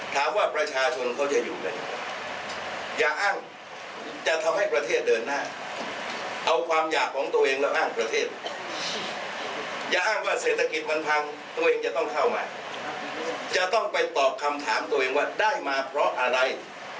ก็ต้องถามตัวเองว่าได้มาเพราะอะไร